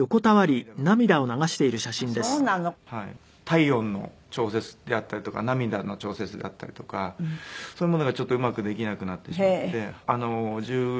体温の調節であったりとか涙の調節であったりとかそういうものがちょっとうまくできなくなってしまって。